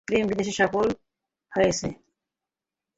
প্রেমের বিদেশ সফর সফল হয়েছে।